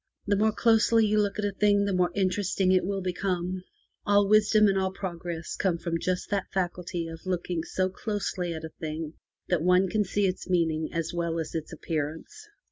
The more closely you look at a thing the more interesting it will become. All wisdom and all progress come from just that faculty of looking so closely at a thing that one can see its meaning as well as its appearance.